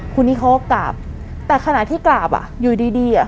คุณิเขาก็กราบแต่ขณะที่กราบอยู่ดี